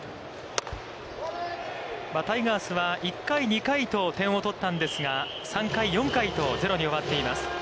タイガースは、１回、２回と点を取ったんですが、３回、４回とゼロに終わっています。